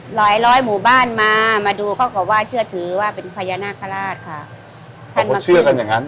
หลายหลายหมู่บ้านมามาดูก็กลัวว่าเชื่อถือว่าเป็นพญานาคราชค่ะพอเชื่อกันอย่างนั้น